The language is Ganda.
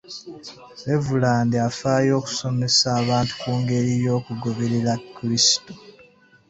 Levulandi afaayo okusomesa abantu ku ngeri y'okugoberera krisitu.